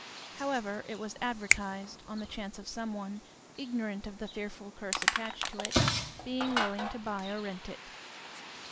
However, it was advertised, on the chance of some one, ignorant of the fearful curse attached to it, being willing to buy or to rent it.